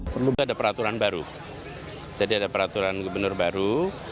perlu ada peraturan baru jadi ada peraturan gubernur baru